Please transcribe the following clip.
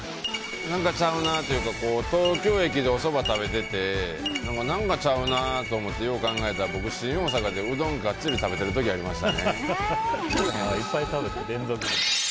何かちゃうなっていうか東京駅でおそば食べてて何かちゃうなと思ってよう考えたら僕、新大阪でうどんガッツリ食べてる時ありました。